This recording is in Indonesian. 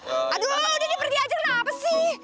aduh ini pergi aja kenapa sih